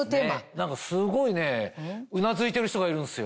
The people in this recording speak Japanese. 何かすごいねうなずいてる人がいるんですよ。